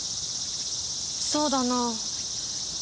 そうだな。